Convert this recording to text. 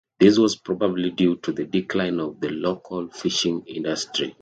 This was probably due to the decline of the local fishing industry.